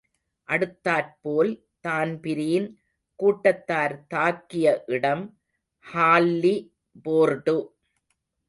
அடுத்தாற் போல் தான்பிரீன் கூட்டத்தார் தாக்கிய இடம் ஹால்லி போர்டு.